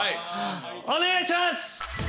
お願いします！